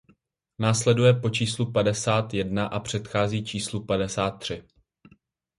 Následuje po číslu padesát jedna a předchází číslu padesát tři.